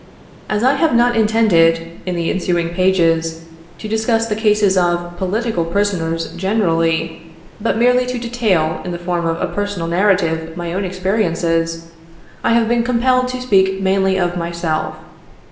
As I have not intended, in the ensuing pages, to discuss the cases of " political prisoners" generally, but merely to detail, in the form of a personal narrative, my own experiences, I have been com pelled to speak mainly of myself.